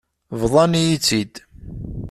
Bḍan-iyi-tt-id.